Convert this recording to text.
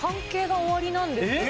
え？